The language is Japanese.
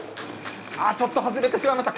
ちょっと外れてしまいました。